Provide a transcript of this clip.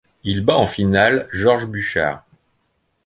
Il bat en finale Georges Buchard.